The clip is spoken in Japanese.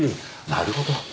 なるほど。